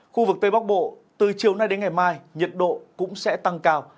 khu vực tây bắc bộ từ chiều nay đến ngày mai nhiệt độ cũng sẽ tăng cao